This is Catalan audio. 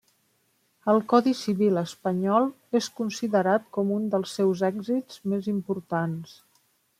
El Codi Civil espanyol és considerat com un dels seus èxits més importants.